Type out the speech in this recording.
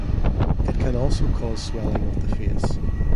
It can also cause swelling of the face.